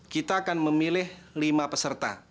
kita akan memilih lima peserta